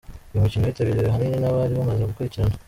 Uyu mukino witabiriwe ahanini nabari bamaze gukurikirana.